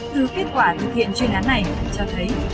từ kết quả thực hiện chuyên án này cho thấy